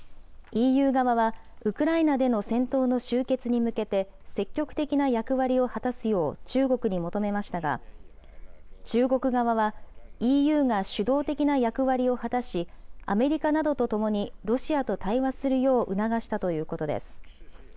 ＥＵ側はウクライナでの戦闘の終結に向けて、積極的な役割を果たすよう中国に求めましたが、中国側は、ＥＵが主導的な役割を果たし、アメリカなどとともにロシアと対話するよう促したということです。